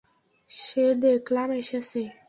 সে দেখলাম এসেছে।